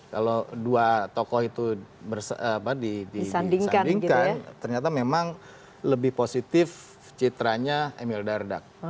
kalau dua tokoh itu disandingkan ternyata memang lebih positif citranya emil dardak